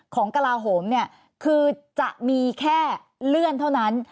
กระลาโหมเนี่ยคือจะมีแค่เลื่อนเท่านั้น